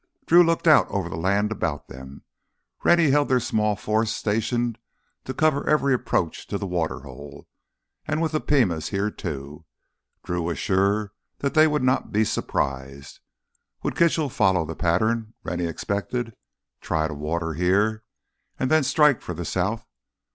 Drew looked out over the land about them. Rennie had their small force stationed to cover every approach to the water hole, and with the Pimas here too, Drew was sure that they would not be surprised. Would Kitchell follow the pattern Rennie expected—try to water here? And then strike for the south?